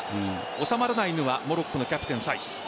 収まらないのはモロッコのキャプテン・サイス。